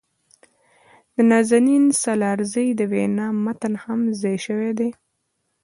د نازنین سالارزي د وينا متن هم ځای شوي دي.